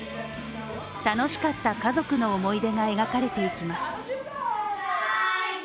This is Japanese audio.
楽しかった家族の思い出が描かれていきます。